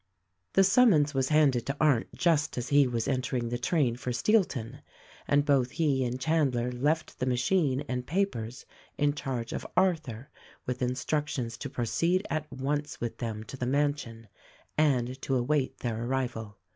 The summons was handed to Arndt just as he was enter ing the train for Steelton, and both he and Chandler left the machine and papers in charge of Arthur with instructions to proceed at once with them to the mansion, and to await their arrival.